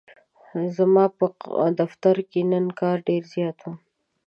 ځماپه دفترکی نن کار ډیرزیات و.